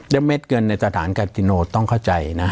แล้วเม็ดเงินในสถานกาติโนต้องเข้าใจนะ